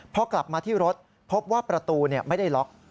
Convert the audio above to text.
พอกลับมาที่รถพบว่าประตูไม่ได้ล็อก